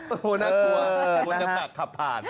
โอ้โหน่ากลัวแต่ว่าจะแบบขับผ่าน